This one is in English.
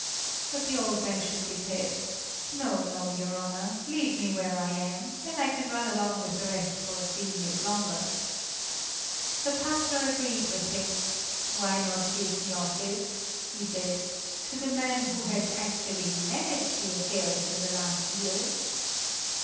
But the old man shook his head: "No, no, your Honor, leave me where I am, then I can run along with the rest for a few years longer." The pastor agreed with him: "Why not give the office," he said, "to the man who has actually managed the affairs in the last years?"